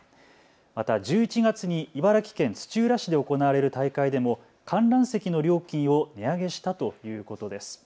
また１１月に茨城県土浦市で行われる大会でも観覧席の料金を値上げしたということです。